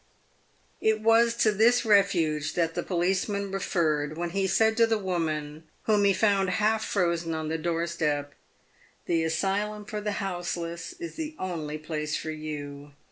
It was to this refuge that the policeman referred when he said to the woman whom he found half frozen on the door step, " The asylum for the houseless is the only place for you."